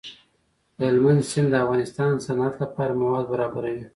هلمند سیند د افغانستان د صنعت لپاره مواد برابروي.